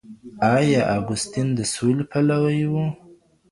آیا اګوستین د سولي پلوی و؟